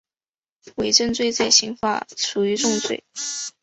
伪证罪在刑法属于重罪。